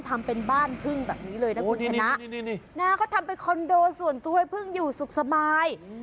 ทำเป็นบ้านพึ่งแบบนี้เลยนะคุณชนะเขาทำเป็นคอนโดส่วนตัวให้พึ่งอยู่สุขสบาย